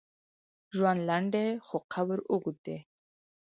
ژوند لنډ دی، خو قبر اوږد دی.